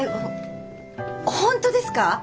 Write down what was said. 本当ですか？